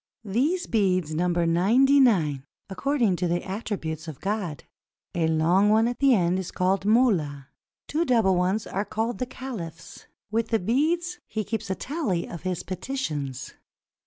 These beads number ninety nine, according to the attributes of God. A long one at the end is called the molla; two double ones are called the caliphs. With the beads he keeps tally of his peti tions.